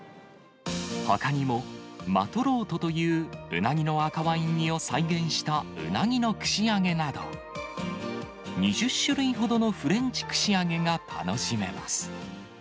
ほかにもマトロートというウナギの赤ワインにを再現したウナギの串揚げなど、２０種類ほどのフレンチ串揚げが楽しめます。